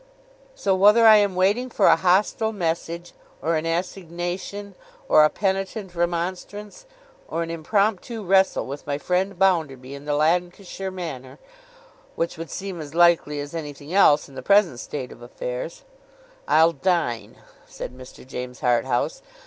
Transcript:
'So, whether I am waiting for a hostile message, or an assignation, or a penitent remonstrance, or an impromptu wrestle with my friend Bounderby in the Lancashire manner—which would seem as likely as anything else in the present state of affairs—I'll dine,' said Mr. James Harthouse.